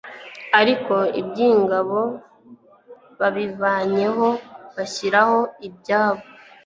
ariko iby'ingabo babivanyeho bashyiraho ibyabo